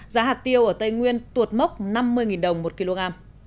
giá hạt tiêu ở tây nguyên tuột mốc năm mươi đồng một kg